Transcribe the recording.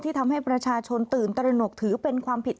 ทำให้ประชาชนตื่นตระหนกถือเป็นความผิด